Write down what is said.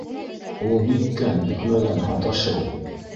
Ул ниткән бөтмәгән һаташыу?!